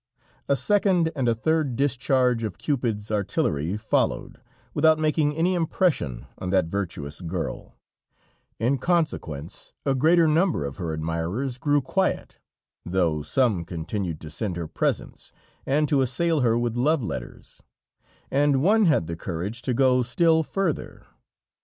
A second and a third discharge of Cupid's artillery followed, without making any impression on that virtuous girl; in consequence a greater number of her admirers grew quiet, though some continued to send her presents, and to assail her with love letters, and one had the courage to go still further.